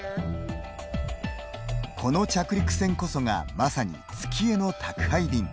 この着陸船こそがまさに月への宅配便。